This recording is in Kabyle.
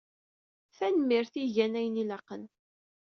Tanemirt i igan ayen ilaqen.